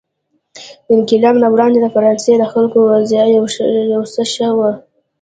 د انقلاب نه وړاندې د فرانسې د خلکو وضع یو څه ښه وه.